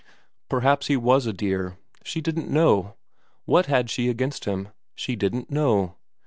Perhaps he was a dear. She didn't know. What had she against him ? She didn't know.